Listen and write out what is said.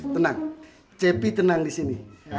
tenang cepi tenang disini